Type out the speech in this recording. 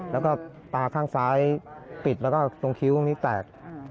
แล้วก็ตาข้างซ้ายปิดแล้วก็ตรงคิ้วตรงนี้แตก